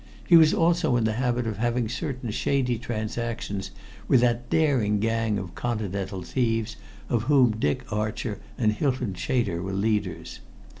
He was also in the habit of having certain shady transactions with that daring gang of continental thieves of whom Dick Archer and Hylton Chater were leaders.